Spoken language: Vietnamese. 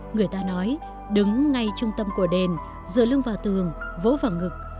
người ta nói đứng ngay trung tâm của đền dựa lưng vào tường vỗ vào ngực